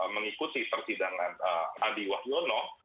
mengikuti persidangan adi wahyono